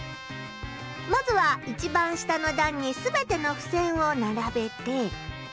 まずは一番下の段に全てのふせんを並べて。